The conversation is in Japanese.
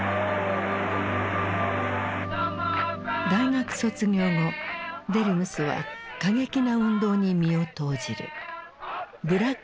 大学卒業後デルムスは過激な運動に身を投じる。